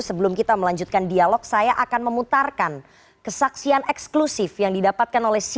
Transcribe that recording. sebelum kita melanjutkan dialog saya akan memutarkan kesaksian eksklusif yang didapatkan oleh siapa